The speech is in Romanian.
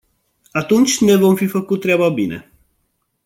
Atunci ne vom fi făcut treaba bine.